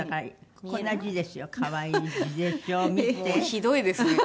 ひどいですね。